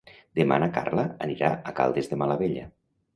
Demà na Carla anirà a Caldes de Malavella.